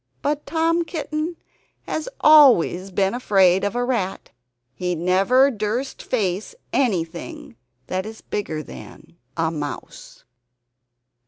But Tom Kitten has always been afraid of a rat; he never durst face anything that is bigger than A Mouse.